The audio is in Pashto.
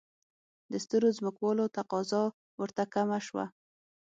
د سترو ځمکوالو تقاضا ورته کمه شوه.